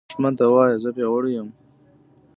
دښمن ته وایه “زه پیاوړی یم”